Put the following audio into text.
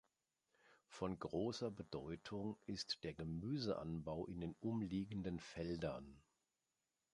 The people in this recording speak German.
Von großer Bedeutung ist der Gemüseanbau in den umliegenden Feldern.